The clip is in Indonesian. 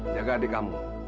jaga adik kamu